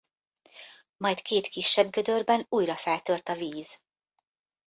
Majd két kisebb gödörben újra feltört a víz.